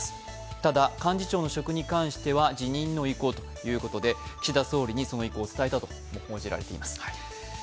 ただ、幹事長の職に関しては辞任の意向ということで岸田総理にその意向を伝えたと報じられています。